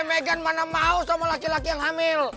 eh megan mana mau sama laki laki yang hamil